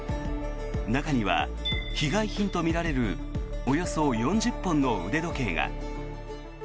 中には被害品とみられるおよそ４０本の腕時計が。